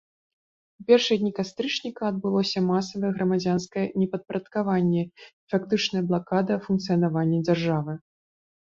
У першыя дні кастрычніка адбылося масавае грамадзянскае непадпарадкаванне і фактычная блакада функцыянавання дзяржавы.